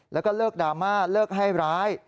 แล้วก็เลิกดราม่าเลิกให้ร้าย